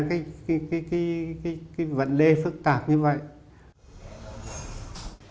cái vấn đề phức tạp như vậy